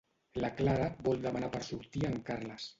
La Clara vol demanar per sortir a en Carles.